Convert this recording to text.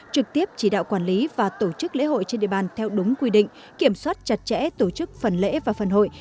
trực tiếp chỉ đạo quản lý và tổ chức lễ hội trên địa bàn theo đúng quy định kiểm soát chặt chẽ tổ chức phần lễ và phần hội